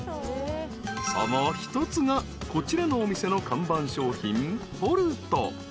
［その一つがこちらのお店の看板商品ぽると］